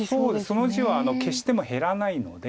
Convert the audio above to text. その地は消しても減らないので。